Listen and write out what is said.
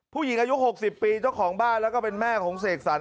ผู้หญิงอายุ๖๐ปีเจ้าของบ้านแล้วก็เป็นแม่ของเสกสรร